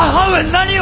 何を！